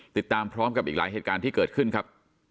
ติดตามพร้อมกับอีกหลายเหตุการณ์ที่เกิดขึ้นครับ